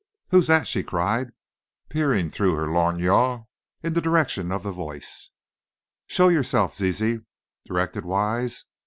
"Who's that?" she cried, peering through her lorgnon in the direction of the voice. "Show yourself, Zizi," directed Wise.